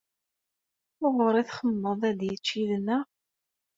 Wuɣur i txemmmeḍ ad yečč yid-neɣ?